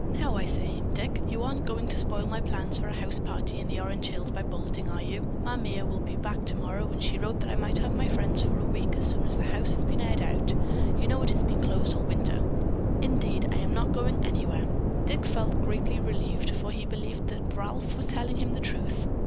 Now I say, Dick, you aren't going to spoil my plans for a house party in the Orange Hills by bolting, are you? Ma Mere will be back tomorrow, and she wrote that I might have my friends for a week as soon as the house has been aired out. You know it has been closed all winter." "Indeed, I'm not going anywhere." Dick felt greatly relieved, for he believed that Ralph was telling him the truth.